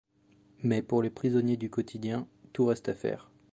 Mais pour les prisonniers du quotidien, tout reste à faire.